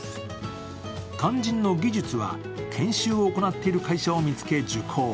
肝心の技術は研修を行っている会社を見つけ受講。